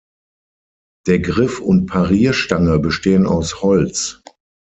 Der Griff und Parierstange bestehen aus Holz.